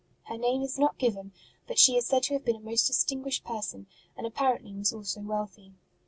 Her name is not given, but she is said to have been a most distinguished person, and apparently was also wealthy.